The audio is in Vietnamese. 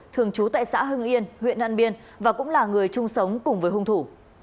thường trú tại xã hưng yên huyện an biên và cũng là người chung sống cùng với hung thủ